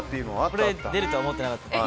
これが出るとは思ってなかったです。